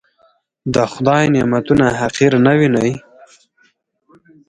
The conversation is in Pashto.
د خدای نعمتونه حقير نه وينئ.